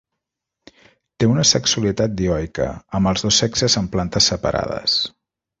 Té una sexualitat dioica, amb els dos sexes en plantes separades.